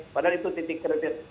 padahal itu titik kritis